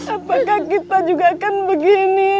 apakah kita juga kan begini